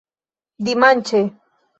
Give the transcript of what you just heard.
dimanĉe